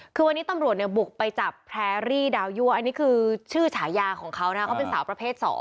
คือวันนี้ตำรวจบุกไปจับแพร่รี่ดาวยัวอันนี้คือชื่อฉายาของเขานะ